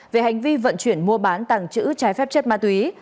về hành vi vận chuyển mua bán tàng trữ trái phép chất ma túy